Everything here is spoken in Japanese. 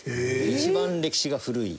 一番歴史が古い。